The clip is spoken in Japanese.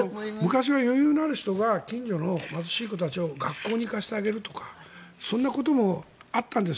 昔は余裕のある人が近所の貧しい子どもたちを学校に行かせてあげるとかそんなこともあったんです。